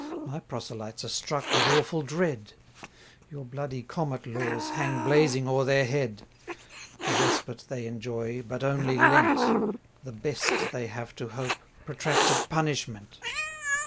My proselytes are struck with awful dread; 380 Your bloody comet laws hang blazing o'er their head; The respite they enjoy but only lent, The best they have to hope, protracted punishment.